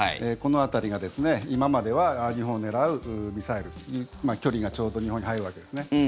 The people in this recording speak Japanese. この辺りが今までは日本を狙うミサイル距離がちょうど日本に入るわけですね。